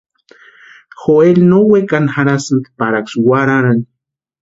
Joeli no wekani jarhasïnti paraksï warharani.